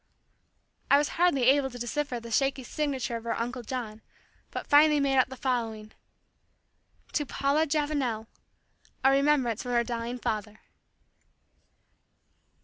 I was hardly able to decipher the shaky signature of our Uncle John, but finally made out the following, "To PAULA JAVANEL A remembrance from her dying father."